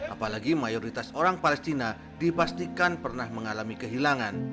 apalagi mayoritas orang palestina dipastikan pernah mengalami kehilangan